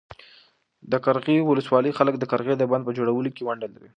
د قرغیو ولسوالۍ خلک د قرغې د بند په جوړولو کې ونډه لري.